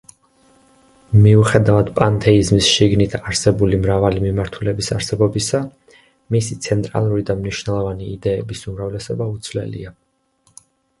მიუხედავად პანთეიზმის შიგნით არსებული მრავალი მიმართულების არსებობისა, მისი ცენტრალური და მნიშვნელოვანი იდეების უმრავლესობა უცვლელია.